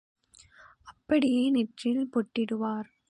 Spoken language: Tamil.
அப்படியே நெற்றியில் பொட்டிடுவார்.